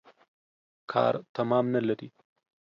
کار تمام نلري.